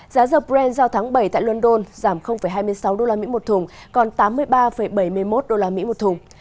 giá dầu brant giao tháng bảy tại london giảm hai mươi sáu usd một thùng còn tám mươi ba bảy mươi một usd một thùng